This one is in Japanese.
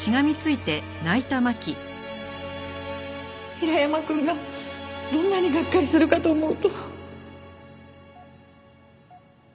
平山くんがどんなにがっかりするかと思うと。